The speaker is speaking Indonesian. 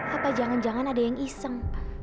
apa jangan jangan ada yang iseng